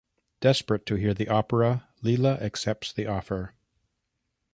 Desperate to hear the opera, Leela accepts the offer.